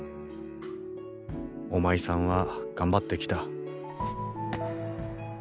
おまいさんは頑張ってきた。